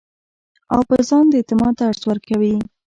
او پۀ ځان د اعتماد درس ورکوي -